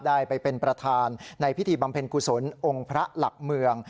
ได้ไปเป็นประธานในพิธีบำเพ็ญกุศลองค์พระหลักเมือง